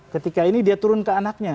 ketika ini dia turun ke anaknya